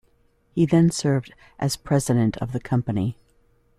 He then served as president of the company.